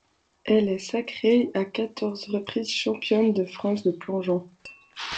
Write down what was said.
Elle est sacrée à quatorze reprises championne de France de plongeon.